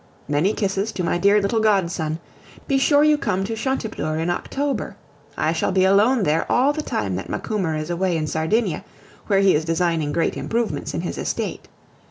Many kisses to my dear little godson. Be sure you come to Chantepleurs in October. I shall be alone there all the time that Macumer is away in Sardinia, where he is designing great improvements in his estate.